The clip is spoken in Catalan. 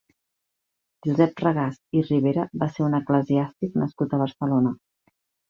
Josep Regàs i Ribera va ser un eclesiàstic nascut a Barcelona.